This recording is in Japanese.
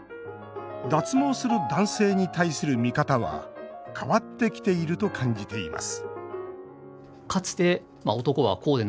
脱毛する男性に対する見方は変わってきていると感じています